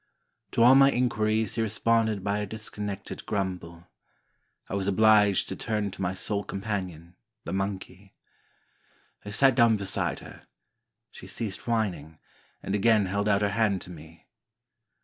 To all my inquiries he responded by a dis connected grumble. I was obliged to turn to my sole companion, the monkey. I sat down beside her ; she ceased whining, and again held out her hand to me.